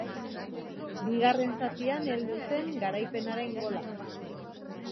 Bigarren zatian heldu zen garaipenaren gola.